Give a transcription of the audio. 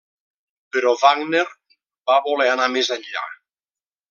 Però Wagner va voler anar més enllà.